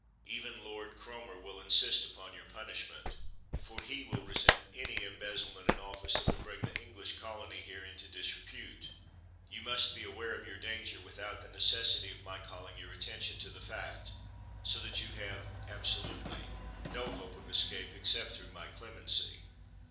Even Lord Cromer will insist upon your punishment, for he will resent any embezzlement in office that would bring the English colony here into disrepute. You must be aware of your danger without the necessity of my calling your attention to the fact; so that you have, absolutely, no hope of escape except through my clemency."